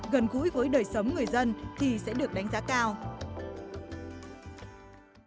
gần gũi với đời sống người dân thì sẽ được đánh giá cao